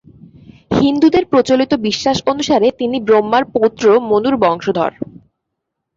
হিন্দুদের প্রচলিত বিশ্বাস অনুসারে, তিনি ব্রহ্মার পৌত্র মনুর বংশধর।